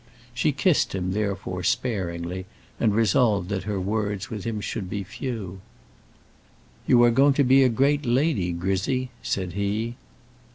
She kissed him, therefore, sparingly, and resolved that her words with him should be few. "You are going to be a great lady, Grizzy," said he.